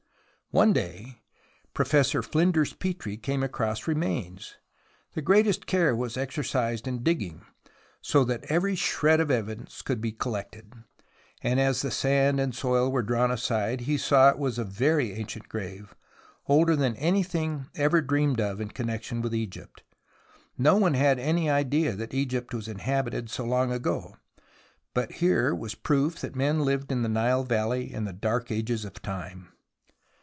One day Professor Flinders Petrie came across remains. The greatest care was exercised in digging, so that every shred of evidence could be collected, and as the sand and soil were drawn aside he saw it was a very ancient grave, older than anything ever dreamed of in connection with Egypt. No one had any idea that Egypt was inhabited so long ago, but here was proof that men lived in the Nile valley in the dark ages of Time.